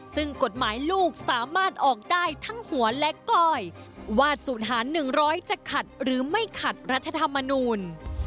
ซึ่งกฎหมายลูกสามารถออกได้ทั้งหัวและก้อยว่าศูนย์หาร๑๐๐จะขัดหรือไม่ขัดรัฐธรรมนูล